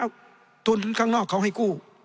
แล้วทุนข้างนอกเขาให้กู้